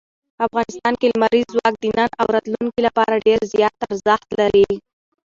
افغانستان کې لمریز ځواک د نن او راتلونکي لپاره ډېر زیات ارزښت لري.